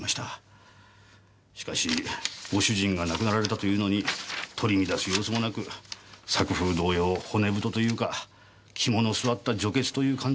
しかしご主人が亡くなられたというのに取り乱す様子もなく作風同様骨太というか肝の据わった女傑という感じでしたなぁ。